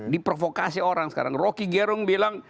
diprovokasi orang sekarang rocky gerung bilang